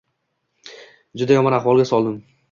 Juda yomon ahvolga soldim.